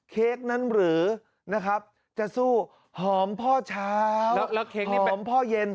เค้กนั้นหรือนะครับจะสู้หอมพ่อเช้าหอมพ่อเย็น